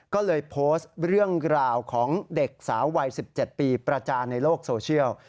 ก็เลยโพสต์เรื่องราวของเด็กสาววัย๑๗ปีประจานในโลกโซเชียล